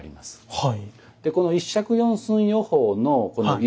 はい。